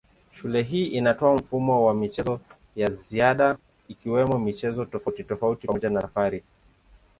Shule hii inatoa mfumo wa michezo ya ziada ikiwemo michezo tofautitofauti pamoja na safari.